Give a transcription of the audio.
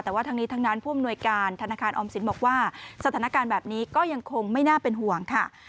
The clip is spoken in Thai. แต่ว่าทั้งนี้ทั้งนั้นผู้อำนวยการธนาคารออมสินบอกว่าสถานการณ์แบบนี้ก็ยังคงไม่น่าเป็นห่วงค่ะ